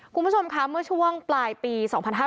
คุณผู้ชมค่ะเมื่อช่วงปลายปี๒๕๕๙